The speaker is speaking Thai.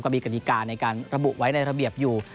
มีกฎิกาในการระบุไว้ในระเบียบอยู่